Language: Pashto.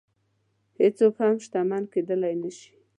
هېڅوک هم شتمن کېدلی نه شي.